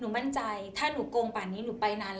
ถ้ายังโกงป่านี้ก็ไปนานแล้ว